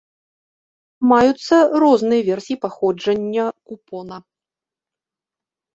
Маюцца розныя версіі паходжання купона.